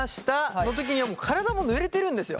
その時にはもう体もぬれてるんですよ。